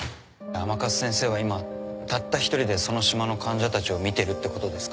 「甘春先生は今たった一人でその島の患者たちを診てるってことですか？」